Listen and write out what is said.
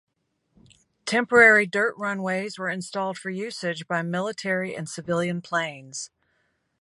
Temporary dirt runways were installed for usage by military and civilian planes.